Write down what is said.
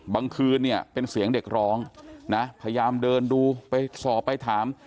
บางคืนเป็นเสียงเด็กร้องพยายามเดินดูไปสอบไปถาม